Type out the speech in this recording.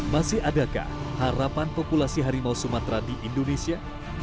masih adakah harapan populasi harimau sumatera di indonesia